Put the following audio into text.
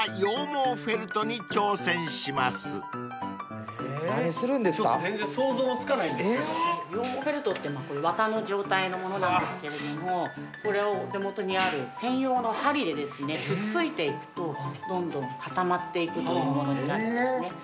羊毛フェルトって綿の状態のものなんですけどもこれをお手元にある専用の針で突っついていくとどんどん固まっていくというものになるんですね。